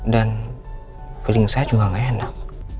dan feeling saya juga gak enak